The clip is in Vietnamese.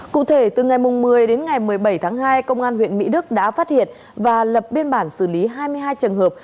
cụ thể từ ngày một mươi đến ngày một mươi bảy tháng hai công an huyện mỹ đức đã phát hiện và lập biên bản xử lý hai mươi hai trường hợp